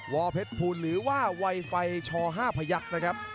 วอร์เพชภูนิหรือว่าวัยไฟช่อ๕พยักษ์นะครับ